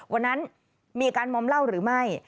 วันนั้นมีการมอมเหล้าหรือไม่